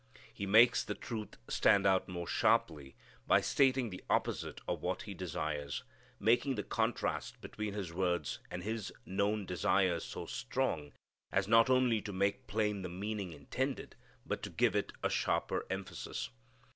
He makes the truth stand out more sharply by stating the opposite of what He desires, making the contrast between His words and His known desires so strong as not only to make plain the meaning intended, but to give it a sharper emphasis.